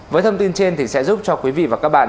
với thông tin trên sẽ giúp cho quý vị và các bạn